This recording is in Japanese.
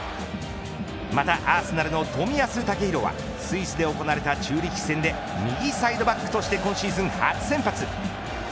また、アーセナルの冨安健洋はスイスで行われたチューリッヒ戦で右サイドバックとして今シーズン初先発。